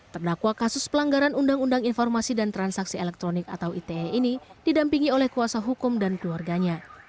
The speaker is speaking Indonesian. terdakwa kasus pelanggaran undang undang informasi dan transaksi elektronik atau ite ini didampingi oleh kuasa hukum dan keluarganya